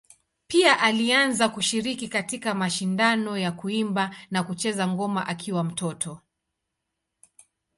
Pia alianza kushiriki katika mashindano ya kuimba na kucheza ngoma akiwa mtoto.